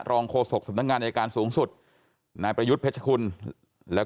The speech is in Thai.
รองโคศกสำนักงานอายการสูงสุดนายประยุทธิ์พระเจ้าคุณแล้ว